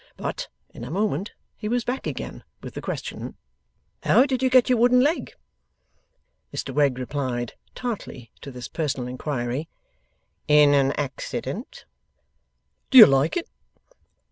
But, in a moment he was back again with the question: 'How did you get your wooden leg?' Mr Wegg replied, (tartly to this personal inquiry), 'In an accident.' 'Do you like it?